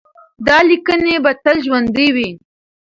دا لیکنې به تل ژوندۍ وي.